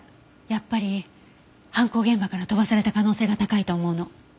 やっぱり犯行現場から飛ばされた可能性が高いと思うの。